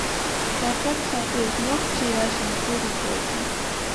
Tataka sápicha noksï tsʼirasïnti churikweeri.